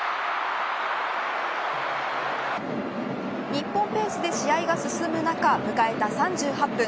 日本ペースで試合が進む中迎えた３８分。